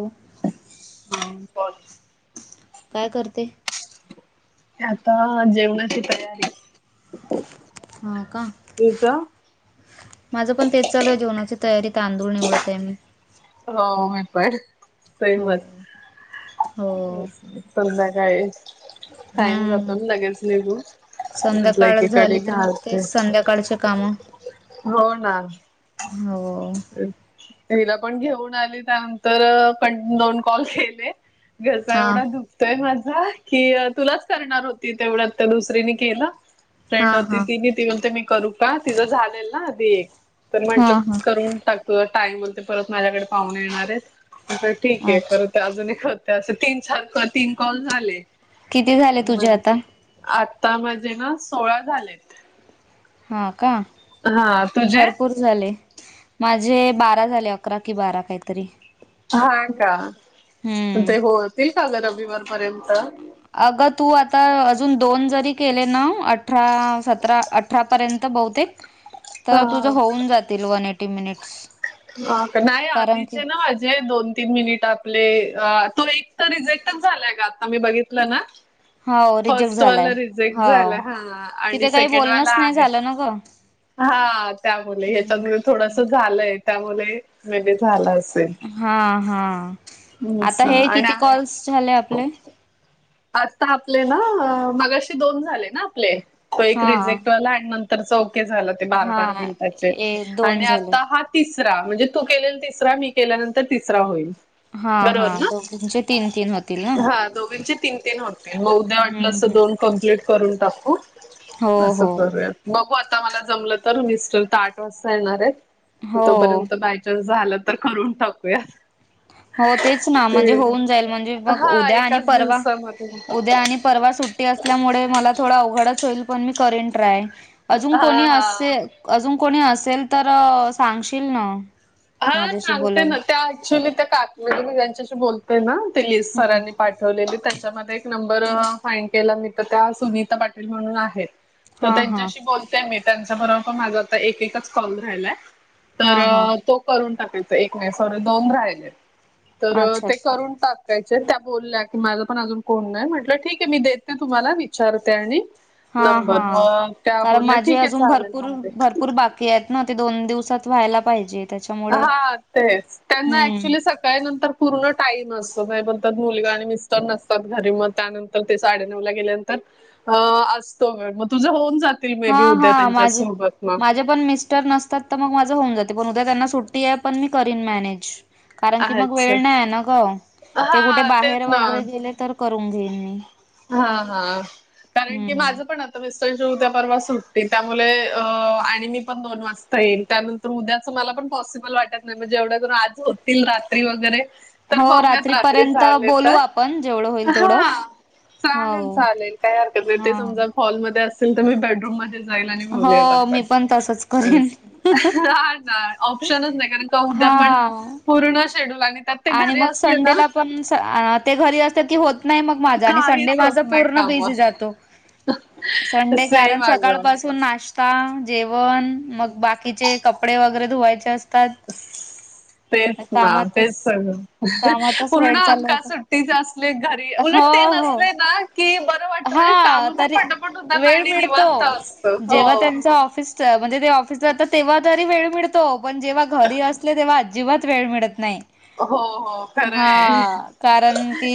हो [unintelligible] हम् ब [inaudible] काय करते? आता जेवणाची तयारी. हो का. तुझं माझं पण तेच चालू आहे. जेवणाची तयारी तांदूळ निवडत आहे मी. हो मी पण, हो सेमच. हो संध्याकाळी, टाईम जातो हम्म ना लगेच निघू संध्याकाळ झाली तर मग काय, संध्याकाळचे काम. हो ना. हो.... तिला पण घेऊन आली त्यानंतर, दोन कॉल केले. घसा हा एवढा दुखतोय माझा की, तुलाच करणार होती तेवढ्या तर दुसरीनी केलं. हा फ्रेंड होती हा ति, ती बोलते मी करू का? तिचं झालेल ना आधी तर हा म्हटलं हा करून तुज टाईम परत माझ्याकडे पाहून येणार, ठीक आहे अच्छा परत ते अजून एक होत अस, तीन, चार, क तीन कॉल झाले. किती झाले तुझे आता आता माजे ना सोळा झालेत. हा का? हा तुझे भरपूर किती झाले? माझे बारा झाले अकरा कि बारा काहीतरी हा का, हम्म ते होतील का ग रविवार पर्यंत? अगं तू आता अजून दोन जरी केले ना, अठरा- सतरा अठरापर्यंत बहुतेक तर तुझ हा होऊन जातील वन एटी मिनिट. ह का, नाही आधीचे ना माजे दोन तीन मिनिट आपले, तो एक तर रिजेक्टच झालाय का आता मी बघितलं ना हाव रिजेक्ट झालाय फर्स्टवाला रिजेक्ट झाला हाव हा आणि तिथे काही सेकंडवाला बोलणंच नाही आहे. झालं ना ग हा त्यामुळे हेच्या हम्म थोडस झालंय, त्यामुळे म झालं. असेल. हा हा, आता असं हे किती आणि कॉल्स झाले आपले? आता आपले ना अ मगाशी दोन झाले ना आपले. तो एक हा रिजेक्ट वाला आणि नंतरचा ओके झालं ते बारा बारा हा मिनिटाचे ए दोन आणि झाले आता हा तिसरा म्हणजे तू केलेल तिसरा मी केल्यानंतर तिसरा होईल. हा हा बरोबर ना दोघींचे तीन तीन होतील. ना हा दोंघींचे तीन तीन होतील मग उद्या हम्म वाटलस हम्म दोन कंप्लीट करून टाकू हो असं हो करूयात बघू आता मला जमलं तर मिस्टर आता आठ वाजता येणार आहेत. हो तोपर्यंत बायचान्स झाला तर करून टाकूया. हो तेच ना ते म्हणजे होऊन जाईल म्हणजे मग हा उद्या आणि एकाच परवा दिवसामध्ये उद्या आणि परवा सुट्टी असल्यामुळे मला थोडा अवघडच होईल पण मी करीन ट्राय अजून हा कोणी हा असे अजून कोणी असेल तर सांगशील ना हा माझ्याशी सांगते बोलायला ना त्या ऍक्च्युली त्या काकी मी ज्यांच्याशी बोलते ना ते हम्म सरांनी पाठ ठेवलेली त्याच्यामध्ये एक नंबर अ फाइन केला मी तर त्या सुनीता पाटील म्हणून आहेत. तर हा हा त्यांच्याशी बोलतेय मी त्यांच्याबरोबर पण माझा आता एक एकच कॉल राहिलाय. तर हा हा तो करून टाकायचा एक नाही सॉरी दोन राहिले तर अच्छा ते अच्छा करून टाक. बघायचे त्या बोलल्या की माझं पण अजून कोण नाही म्हटलं ठीक आहे मी देते तुम्हाला विचारते आणि हा हा नंबर मग त्या कारण बोलल्या माझे ठीक आहे अजून चालेल भरपूर मला ते भरपूर बा ते आहेत ना ते दोन दिवसात व्हायला पाहिजेत. हा तेच त्यांना हम्म ऍक्च्युली स काय नंतर पूर्ण टाईम असतो नाही बोलतात मुलगा आणि मिस्टर नसतात घरी म त्यानंतर तर ते साडे नऊ गेल्यानंतर अ असतो वेळ म तुझ होऊन जात ते मे हा बी उद्या हा त्यांच्या माझे सोबात म माझे पण मिटर नसतात त मग माझ होऊन जाते पण उद्या त्यांना सुट्टी आहे पण मी करीन मॅनेज कारण की मग अच्छा. वेळ नाही ना ग. ते कुठे हां, तेच बाहेर वगैरे गेले तर करून घेईन मी हा हा कारण की हम्म माझं पण अस मिस्टरांची उद्या परवा सुट्टी त्यामुले अ आणि मी पण दोन वाजता येईल त्यानं उद्याचं मला पण पॉसिबल वाटत नाही मग जेवढ्या करून आज होतील रात्री वगैरे तर हो बघूयात रात्री रात्रीपर्यंत झाले बोलू तर आपण जेवढं होईल तेवढं हा. हो चालेल चालेल काय हरकत नाही ते हा समजा हॉलमध्ये असतील तर मी बेडरूम मध्ये हो मी पण तसच करेन हा काय ऑप्शनच नाही. का उद्या हा. पण पूर्ण शेड्यूल आणि त्यात ते आणि घरी मग असले ना संडेला पण स अ ते घरी असले की होत नाही मग माझा आणि काहीच संडे होत माझ नाही पूर्ण बिझी कामं जातो. तो संडे कारण सेम सकाळ अगं. पासून नाष त्या जेवण मग बाकीचे कपडे वगैरे धुवायचे असते. तेच ना तेच कामातच स कामातच पूर्ण वेळ चालला आख्खा होता सुट्टीचे असले घरी उलट ते हो हो नसले ना की बरं वाटतं म्हणजे हा कामं पण तरी पटापट होतात वेळ आणि मिळतो निवांत असतं जेव्हा हो. त्यांच ऑफिस म्हणजे ते ऑफिसला तेव्हा तरी वेळ मिळतो पण जेव्हा घरी असले तेव्हा अ अजीबात वेळ मिळत नाही. हो हो. खरं आहे. हा. कारण कि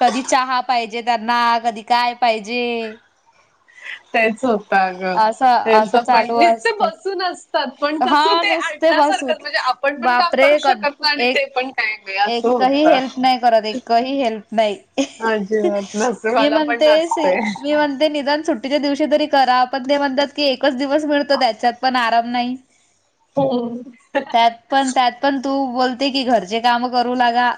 कधी चहा पाहिजे त्यांना कधी काय पाहिजे. तेच होत आ ग असं असं त्यांच पण चालू निसते असते बसून अस पण कसं हा ते नुसते बसून आणल्यासारखं म्हणजे आपण पण काम बापरे करू क शकत नाही आणि एक ते पण काय नाही असं एकही होतं हेल्प नाही करत एकही हेल्प नाही. अजिबात मी नसवाला पण म्हणते नसते मी म्हणते. ते निदान सुट्टीच्या दिवशी तरी करा, पण ते म्हणतात की एकच दिवस मिळतो त्याच्यात पण आराम नाही. [inaudible] हा हा.. त्यात पण त्यात पण तू बोलते की घरचे काम करू लागा.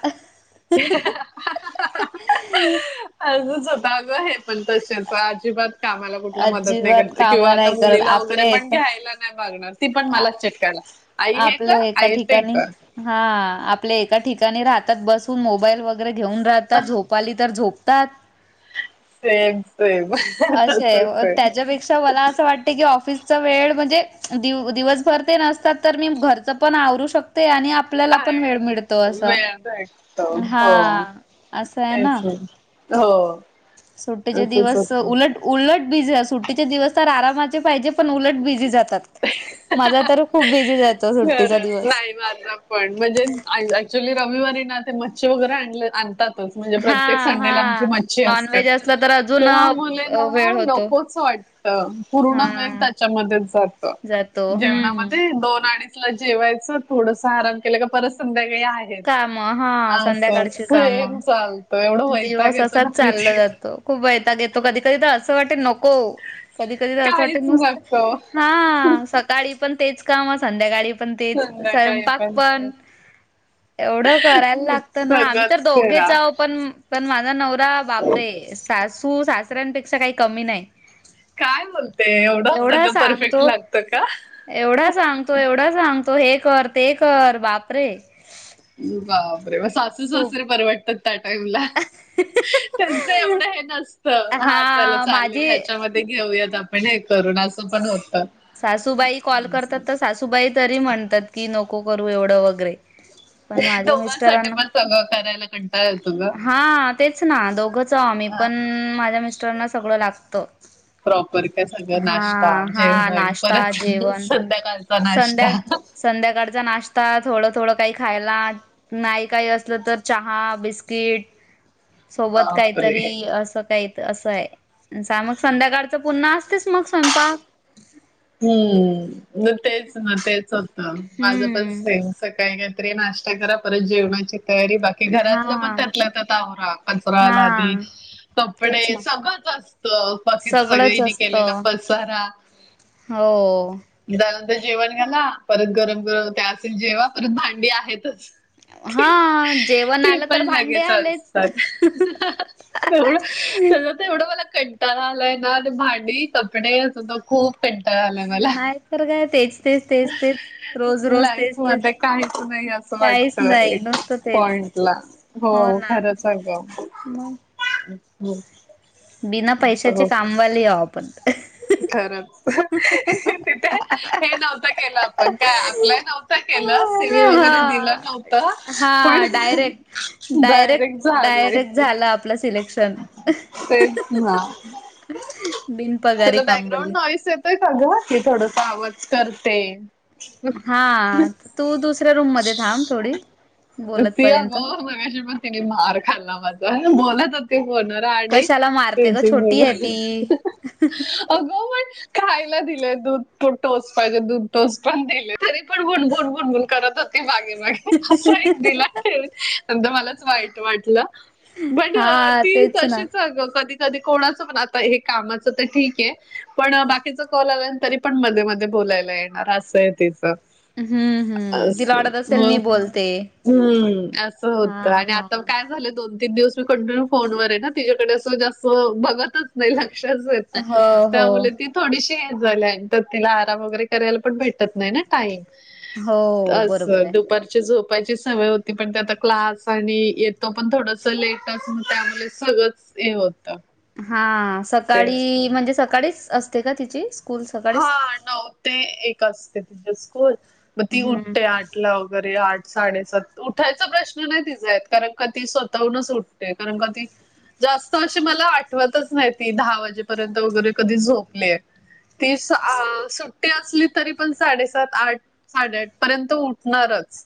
[unintelligible] असच होता, अग हे पण तशेच अजिबात कामाला कुठली मदत नाही अजिबात करत काम किंवा आता नाही करत मुलीला वगैरे आपले पण एका घ्यायला नाही जाणार ती पण मला चिटकायला. आई हे आपले कर एका आई ते ठिकाणी कर. हा आपले एका ठिकाणी राहतात, बसून मोबाईल बघत. वगैरे घेऊन राहतात झोप आली तर झोपतात. सेम सेम असे तसच आहे. त्याच्यापेक्षा मला अस वाटत की ऑफिसचा वेळ म्हणजे दिवसभर ते नसतात. तर मी घरचं पण आवरू शकते. ते आणि आपल्याला पण वेळ आणि मिळतो असं, वेळ भेटतो हा हो अस आहे ना! तेच हो. सुट्टीचे असंच दिवस होतं. उलट, उलट बीजी सुट्टीचे दिवस तर आरामाचे पाहिजे. पण उलट बिझी जातात. माझा तर खूप बीझी जातो. सुट्टीचा खरच, दिवस नाही माझा पण म्हणजे आज एक्चुली रविवारी ना ते मच्छी वगैरे आणले आणतात. म्हणजे हा प्रत्येक संडेला आमची हा मच्छी असते. नॉनव्हेज असलं अजून तर मुलींना वेळ होतो नकोच वाटते. हा पूर्ण वेळ त्याच्यामध्ये जातो. जातो हम्म जेवणामध्ये दोन अडीच जेवायचं थोडसं आराम केलं, का परत संध्याकाळी आहे. कामं हा संध्याकाळची कामं, चालतं एवढं वैताग दिवस येतो असाच ना कधी चालला जातो. खूप वैताग येतो, कधी कधी तर असं वाटते नको. हो कधी कधी तर असं काहीच वाटत मस्त नको हा सकाळी पण तेच काम, संध्याकाळी पण तेच संध्याकाळी स्वयंपाक पण काय एवढं करायला लागतं ना, आम्ही तर सगळंच दोघेच करा आहो पण पण माझा नवरा बापरे सासू, सासऱ्यांपेक्षा काही कमी नाही. काय बोलते, एवढं एवढा सगळं परफेक्ट सांगतो लागतं का? एवढा सांगतो, एवढा सांगतो हे कर ते कर बापरे! बाबरे, मग सासू, खूप सासरे परवडतात. [unintelligible] त्यांच एवढं हे नसत हा चल चालेल ह्याच्यामध्ये घेऊयात आपण हे करून असं पण होतं. सासूबाई कॉल करतात तर सासूबाई तरी म्हणतात की नको करू एवढं वगैरे! पण माझ्या दोघांसाठी मिस्टरांना... पण सगळं करायला कंटाळा येतो ग हा तेच ना दोघ च आम्ही पण, माझ्या मिस्टरांना सगळं लागतं. प्रॉपर का सगळं हा नाश्ता, हा जेवण. पण नाश्ता परत जेवण संध्याकाळचा संध्या नाश्ता संध्याकाळचा नाश्ता थोडं थोडं काही खायला. नाही काही असलं तर चहा, बिस्किट. सोबत बापरे काहीतरी असं काही असं आहे. सां मग संध्याकाळचं पुन्हा असतेस मग स्वयंपाक. हम्म तेच ना तेच होतं माझ पण हम्म सेम सकाळी काहीतरी नाश्ता करा परत जेवणाची तयारी बा की हा घरातलं पण त्यातल्या त्यात आवरा कचरा हा लादी कपडे तेच ना सगळंच असत बाकीच सगळंच सगळ्यांनी केलेला असतं पसारा हो त्यानंतर जेवण करा परत गरम गरम त्या असेल जेवा परत भांडी आहेतच. हा जेवण ते आलं तर पण भांडे लगेच आलेच असतात. तेवढ त्या येवढं मला कंटाळा आलाय ना आणि ती भांडी कपडे अस खूप कंटाळा आलाय मला नाही तर काय तेच तेच तेच तेच रोज रोज तेच लाईफ मध्ये तेच काहीच नाही अस. काहीच वाटत नाही एक नुसतं तेच पॉइंट ला हो खरच अग मग हम् बिना पैशाची कामवाली आहो आपण. खरच तिथे हे नव्हत केलं आपण काय अँपलॉय नव्हतं केलं सेवा वगैरे दिलं हा नव्हत. हा डायरेक्ट डायरेक्ट डायरेक्ट झाला आपलं सिलेक्शन. तेच ना बिनपगारी तुला कामवाली बॅकग्राउंड नाइस येत. हे थोडस आवाज करतय. हा तू दुसऱ्या रूम मध्ये थांब थोडी. बोलत ती पर्यंत अगं मगाशी पण तिने मार खाल्ला माझा बोलत होते फोनवर गाडी कशाला मारते ग छोटी टेन्शन आहे घे ती. अग पण खायला दिलंय दूध प टोस पाहिजे दूध टोस पण दिलेय तरी पण बुनबन बुनबून करत होत. ते मागे मागे असं एक दिला नंतर मलाच वाईट वाटलं. बट हा ती तेच ना. तशीच अग कधी कधी कोणाचा पण आता हे कामाच ठीक आहे पण बाकीचा कॉल आला तरी पण मध्ये मध्ये बोलायला येणार असं आहे तिचं. हम्म हम्म तिला असं वाटत असेल मी मग बोलते. हम्म असं हा होतं आणि हा. आता काय झालं दोन तीन दिवस मी कंटिन्यू फोन व आहे ना तिच्याकडे असं जास्त बघतच नाही लक्षच देत नाही. हो हो त्यामुळे ती थोडीशी हे झालीय आणि त्यात तिला आराम वगैरे करायला पण भेट भेटत नाही ना टाईम हो अस बरोबर आहे. दुपारची झोप पाय ची सवय होती पण ते आता क्लास आणि येतो पण थोडस लेट त्यामुळे सगळंच हे होतं. हा ते सकाळी म्हणजे सकाळीच असते का तिची. स्कूल हा सकाळीच? नऊ ते एक असते तिची स्कूल. मग ती हम्म उठते आठला वगैरे आठ साडेसात उठायचा प्रश्न नाही तिचा येत कारण का ती स्वतःहूनच उठते कारण का ती जास्त अस मला आठवतच नाही ती दहा वाजेपर्यंत वगैरे कधी झोपलीय. ती आ सुट्टी असली तरी पण साडेसात आठ साडेआठ पर्यंत उठणारच.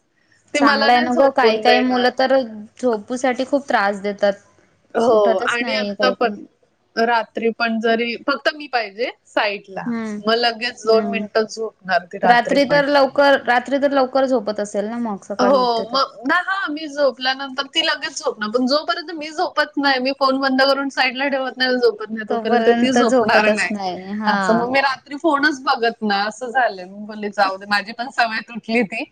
ती मला चांगलाय नाही न ग काही झोपून काही देणार. मुलं तर झोपूसाठी खूप त्रास देतात हो उठतच आणि नाही आता काही काही पण रात्री पण जरी फक्त मी पाहिजे साईट हम्म. मग लगेच दोन हम्म मिनिट झोपणार ती रात्री पण लवकर रात्री तर लवकर झोपत असेल ना मग सकाळी उठते हो, तर मग ना हा मी झोपल्यानंतर ती लगेच झोपणार पण जोपर्यंत मी झोपत नाही मी फोन बंद करून साईडला ठेवत. मी झोपत नाही तोपर्यंत ती झोपणार नाही अस मग मी रात्री तरी फोनच बघत नाही असं झालंय म बोले जाऊ दे माझी पण सवय तुटली आहे ती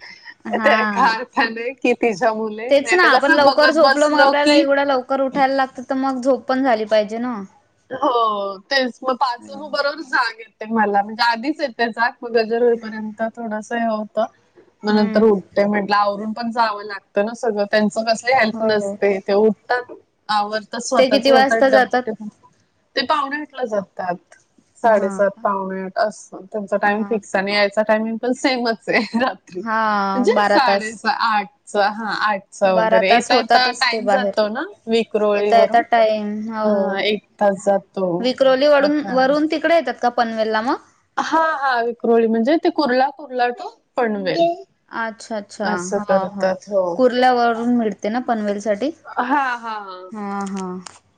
हा त्या एका अर्थाने की तिच्यामुळे, तेच ना नाहीतर आपण कसं लवकर बघत झोपलो मग बसलं आपल्याला की एवढ्या लवकर लवकर उठायला लागत त मग झोप पण झाली पाहिजे ना हो तेच पाच म हम्म बरोबर जाग येते मला म्हणजे आधीच येते त्येचा म गजर होईपर्यंत थोडस हे होतं म नंतर हम्म उठतो. ते म्हंटलं आवरून पण जावं लागतं ना सगळं त्यांच कसले हेल्प हो नसते ते उठतात. आवरतात ते स्वतःच किती स्वतः वाजता डब जातात ते पाहुणे आठ ला जातात. हा साडेसात का? पावणे आठ अस त्यांचा टाइम हा फिक्स हाय आणि यायचा टायमिंग पण सेमच हाय म्हणजे हा बारा तास साडे सहा आठ हा आठ सहा बारा वगैरे तास येेता येता होतातच ते टाइम बाहेर जातो ना विकरोळी येता येता वरून टाईम हो हा एक तास जातो विक्रोली वडून [inaudible] वरून तिकडे येतात का पनवेलला म हा हा विक्रोळी म्हणजे ते कुर्लापुराला टू पनवेल अच्छा अच्छा असं हा हो करतात कुर्ल्यावरून मिळते ना पनवेल साठी हा हा हा हा हा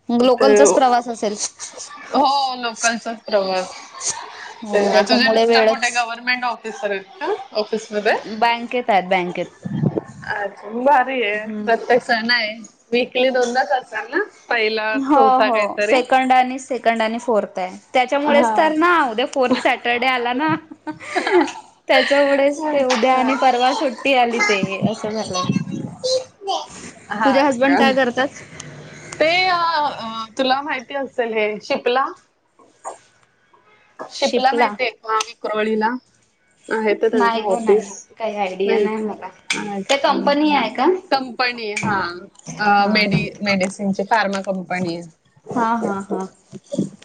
मग ते लोकलचाच प्रवास असेल हो लोकलचाच प्रवास ते हो तुझे त्याच्यामुळे मिस्टर कुठे वेळच गव्हर्नमेंट ऑफिसर आहेत का ऑफिस मध्ये बँकेत आहेत बँकेत आच्छा मग भारी आहे प्रत्यक्ष [inaudible] अस नाही वीकली दोनदाच असल ना पहिला हो चौथा हो काहीतरी सेकंड आणि सेकंड आणि फोर्थ आहे त्याच्यामुळेच हा तर ना उद्या फोर्थ साठी सॅटर्डे आला ना त्याच्यामुळेच ते उद्या अच्छा आणि परवा सुट्टी सुतारआली ते असं झालंय तुझे हा हजबंड का काय करतात. ते तुला माहिती असेल हे शिपला. शिपला माहतीय का विक्रोळीला माहीत आहे त्याच नाही गो नाही ऑफिस काही आयडिया नाही मला का काय अच्छा कम कंपनी आहे का [inaudible] कंपनी आहे हा अ हा मिडी मेडिसिनची फार्मा कंपनी हाय हा हा हा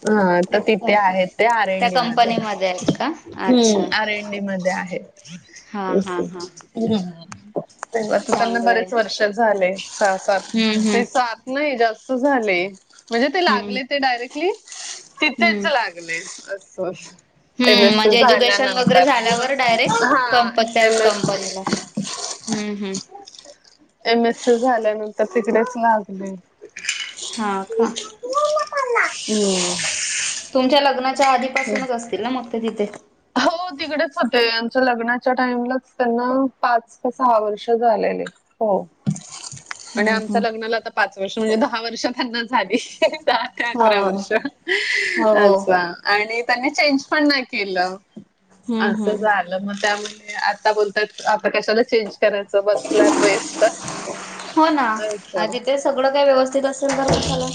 ह तर तिथे आहेत ते आर. त्या एन. डी. मध्ये कंपनीमध्ये आहेत का अच्छा आर एन. डी. मध्ये आहेत. हा [inaudible] हा हा आता त्यांना चांगलंय बरेच वर्ष झाले सहा, सात हम्म हम्म ये सात नाही जास्त झाले. म्हणजे ते लागले ते डायरेक्टली. तिथेच हम [unintelligible] [inaudible] हम सी म्हणजे एज्युकेशन वगैरे झाल्यानंतर झाल्यावर हा डायरेक्ट कप त्याच एम एस कंपनीला हम हम एम. एस. सी. झाल्यानंतर तिकडेच लागले हा का हम्म. तुमच्या लग्नाच्या आधीपासूनच अस ते ना मोडदक तिथे हो तिकडेच होते. आच्या लग्नाच्या टाइमलाच त्यांना पाच का सहा वर्ष झालेले. हो आणि हम्म आमच्या हम्म लग्नाला आता पाच वर्ष म्हणजे दहा वर्ष त्यांना झाली. का अकरा हो वर्ष हो अच्छा आणि त्यांनी चेंज पण नाही केलं हम्म असं हम्म झालं मग त्यामुळे आता बोलतायत आता कशाला चेंज करायाचं असं बसल्यात बेस, हो ना अच्छा. आधी ते सगळं काही व्यवस्थित असेल तर कशाला.